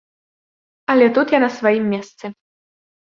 Але тут я на сваім месцы.